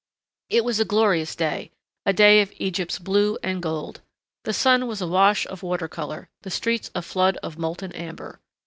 It was a glorious day, a day of Egypt's blue and gold. The sky was a wash of water color; the streets a flood of molten amber.